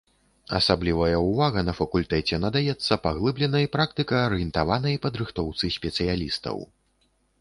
Асаблівая ўвага на факультэце надаецца паглыбленай практыка-арыентаванай падрыхтоўцы спецыялістаў.